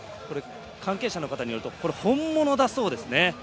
関係者の方によると本物だそうです。